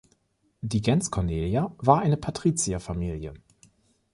Die "Gens Cornelia" war eine Patrizierfamilie.